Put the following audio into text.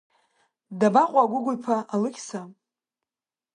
Дабаҟоу Гәыгә-иԥа Алықьса?